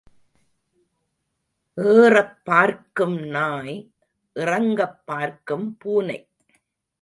ஏறப் பார்க்கும் நாய் இறங்கப் பார்க்கும் பூனை.